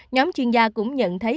nhóm chuyên gia cũng nhận thấy